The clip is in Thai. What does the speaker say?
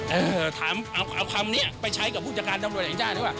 เออถามเอาคำนี้ไปใช้กับผู้จัดการตำรวจแห่งชาติหรือเปล่า